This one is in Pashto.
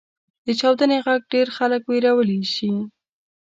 • د چاودنې ږغ ډېری خلک وېرولی شي.